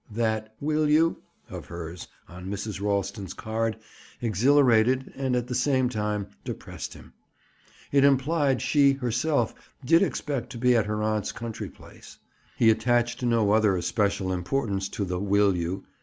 That "Will you?" of hers on Mrs. Ralston's card exhilarated and at the same time depressed him. It implied she, herself, did expect to be at her aunt's country place. He attached no other especial importance to the "Will you?"